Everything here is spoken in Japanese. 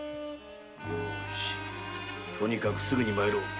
よしとにかくすぐに参ろう。